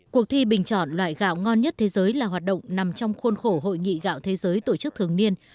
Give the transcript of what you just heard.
cuộc thi bình chọn loại gạo ngon nhất thế giới là hoạt động nằm trong khuôn khổ hội nghị gạo thế giới tổ chức thường niên